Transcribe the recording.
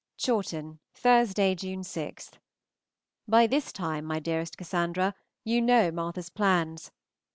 XXXIX. CHAWTON, Thursday (June 6). BY this time, my dearest Cassandra, you know Martha's plans.